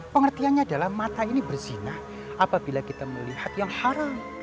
pengertiannya adalah mata ini berzinah apabila kita melihat yang haram